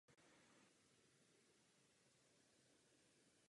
Nastupoval na pozici obránce.